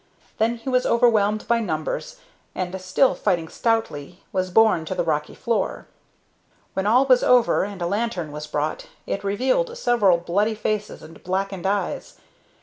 Then he was overwhelmed by numbers, and, still fighting stoutly, was borne to the rocky floor. When all was over and a lantern was brought, it revealed several bloody faces and blackened eyes.